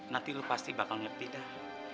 nanti elu pasti bakal ngerti dah